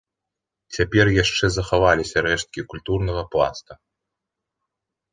Цяпер яшчэ захаваліся рэшткі культурнага пласта.